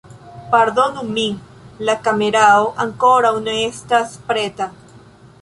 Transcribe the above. Pardonu min la kamerao ankoraŭ ne estas preta